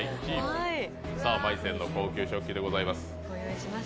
さあ、マイセンの高級食器でございます。